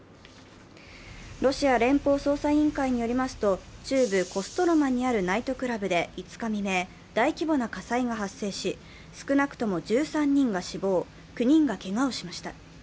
ロシア連邦捜査委員会によりますと中部コストロマにあるナイトクラブで５日未明、大規模な火災が発生し、少なくとも１３人が死亡、９人がけがをしました。